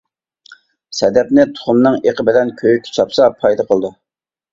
سەدەپنى تۇخۇمنىڭ ئېقى بىلەن كۆيۈككە چاپسا پايدا قىلىدۇ.